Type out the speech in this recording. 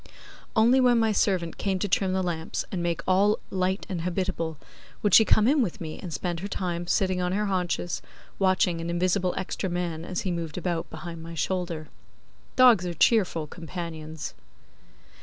Only when my servant came to trim the lamps and make all light and habitable she would come in with me and spend her time sitting on her haunches, watching an invisible extra man as he moved about behind my shoulder. Dogs are cheerful companions.